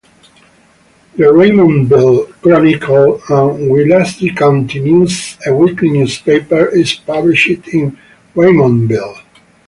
The "Raymondville Chronicle" and "Willacy County News", a weekly newspaper, is published in Raymondville.